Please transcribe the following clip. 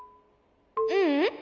ううん。